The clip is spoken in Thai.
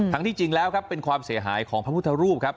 ที่จริงแล้วครับเป็นความเสียหายของพระพุทธรูปครับ